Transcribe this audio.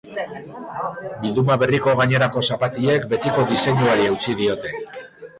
Bilduma berriko gainerako zapatilek betiko diseinuari eutsi diote.